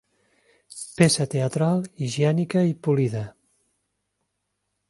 Peça teatral higiènica i polida.